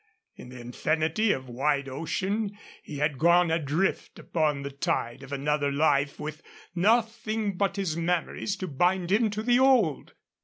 In the infinity of wide ocean he had gone adrift upon the tide of another life with nothing but his memories to bind him to the old.